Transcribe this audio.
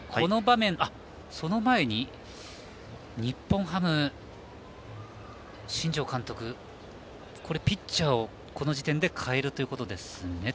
日本ハム、新庄監督ピッチャーをこの時点で代えるということですね。